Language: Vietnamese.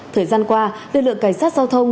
thời gian qua lực lượng cảnh sát giao thông